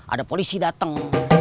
ada polisi dateng